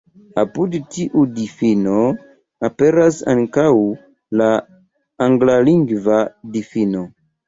Apud tiu difino aperas ankaŭ la anglalingva difino.